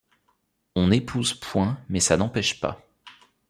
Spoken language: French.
On n’épouse point, mais ça n’empêche pas.